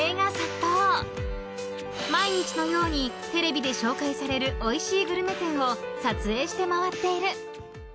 ［毎日のようにテレビで紹介されるおいしいグルメ店を撮影して回っている］